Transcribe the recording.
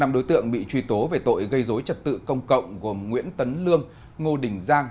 năm đối tượng bị truy tố về tội gây dối trật tự công cộng gồm nguyễn tấn lương ngô đình giang